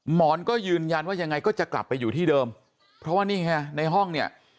หมอนก็ยืนยันว่ายังไงก็จะกลับไปอยู่ที่เดิมเพราะว่านี่ไงในห้องเนี่ย